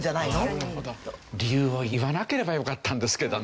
理由を言わなければよかったんですけどね。